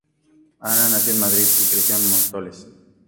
Ana nació en Madrid, y creció en Móstoles.